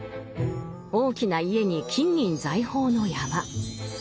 大きな家に金銀財宝の山。